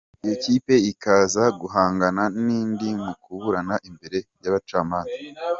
Iyo kipe ikaza guhangana n’indi mu kuburana imbere y’abacamanza.